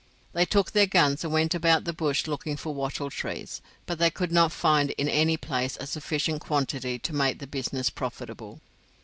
They took their guns and went about the bush looking for wattle trees, but they could not find in any place a sufficient quantity to make the business profitable.